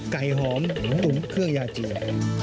ไก่หอมตุ๋นเครื่องยาจีน